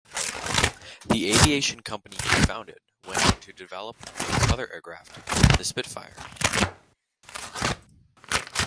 The aviation company he founded went on to develop, amongst other aircraft, the Spitfire.